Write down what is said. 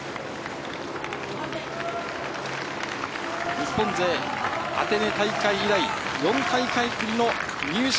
日本勢、アテネ大会以来４大会ぶりの入賞。